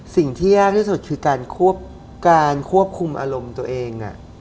สิ่งที่ยากที่สุดคือการควบคุมอารมณ์ตัวเอง